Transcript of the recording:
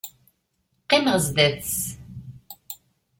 Qqimeɣ zdat-s.